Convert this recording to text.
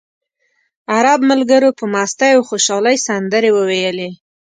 عرب ملګرو په مستۍ او خوشالۍ سندرې وویلې.